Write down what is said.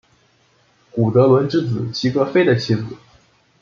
古德伦之子齐格菲的妻子。